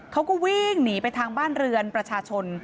เขาก็วิ่งหนีไปทางบ้านเรือนประชาชน